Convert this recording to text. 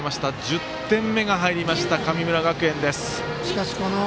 １０点目が入りました神村学園です。